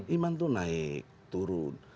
iman itu naik turun